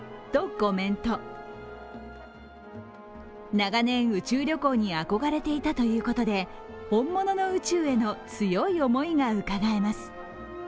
長年、宇宙旅行に憧れていたということで本物の宇宙への強い思いがうかがえます。